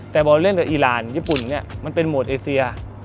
แต่บอลเล่นกับอีรานญี่ปุ่นเนี่ยมันเป็นโหมดเอเซีย